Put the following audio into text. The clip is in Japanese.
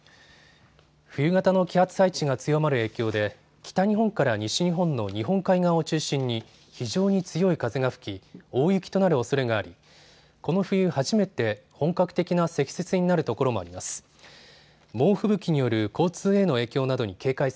冬型の気圧配置が強まる影響で北日本から西日本の日本海側を中心に非常に強い風が吹き、大雪となるおそれがありこの冬初めて本格的な積雪になるところもあります。